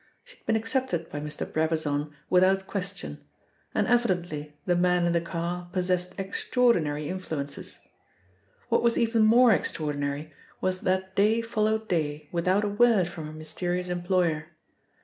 She had been accepted by Mr. Brabazon without question, and evidently the man in the car possessed extraordinary influences. What was even more extraordinary was that day followed day without a word from her mysterious employer.